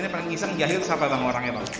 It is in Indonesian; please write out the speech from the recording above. yang paling nyesel yang jahil siapa bang orangnya pak